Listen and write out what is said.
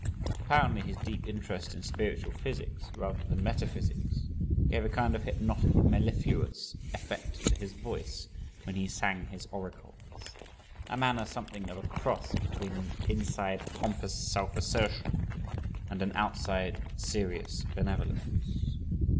Apparently his deep interest in spiritual physics, rather than metaphysics, gave a kind of hypnotic mellifluous effect to his voice when he sang his oracles; a manner something of a cross between an inside pompous self assertion and an outside serious benevolence.